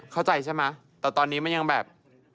เข้าใจใช่ไหมแต่ตอนนี้มันยังแบบ